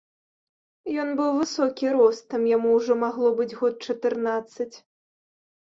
Ён быў высокі ростам, яму ўжо магло быць год чатырнаццаць.